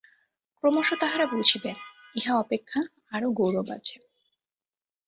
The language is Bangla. ক্রমশ তাহারা বুঝিবে, ইহা অপেক্ষা আরও গৌরব আছে।